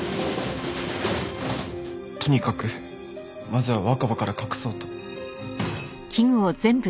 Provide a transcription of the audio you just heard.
とにかくまずは若葉から隠そうと。